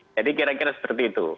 jadi kira kira seperti itu